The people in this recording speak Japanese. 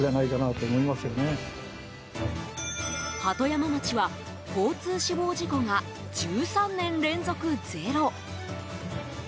鳩山町は、交通死亡事故が１３年連続ゼロ。